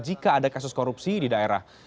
jika ada kasus korupsi di daerah